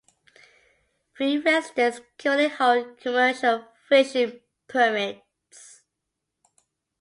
Three residents currently hold commercial fishing permits.